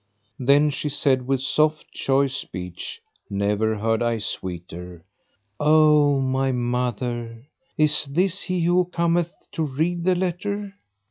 Then she said, with soft, choice speech, never heard I sweeter, "O my mother! is this he who cometh to read the letter?"